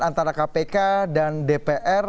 antara kpk dan dpr